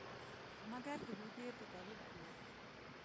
مګر حدود یې په تغییر کې وو.